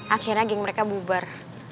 akhirnya geng mereka bubar